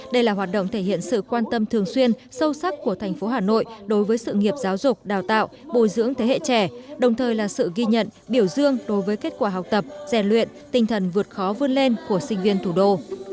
đây là hoạt động thể hiện sự quan tâm thường xuyên sâu sắc của thành phố hà nội đối với sự nghiệp giáo dục đào tạo bồi dưỡng thế hệ trẻ đồng thời là sự ghi nhận biểu dương đối với kết quả học tập rèn luyện tinh thần vượt khó vươn lên của sinh viên thủ đô